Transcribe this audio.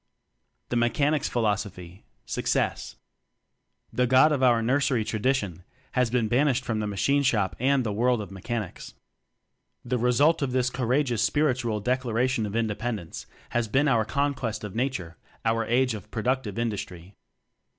The Mechanic's Philosophy Success. The "God" of our nursery tradi tion has been banished from the Ma chine Shop and the world of Me chanics. The result of this courage ous spiritual Declaration of Indepen dence has been our "Conquest of Na ture," our Age of Productive Indus try.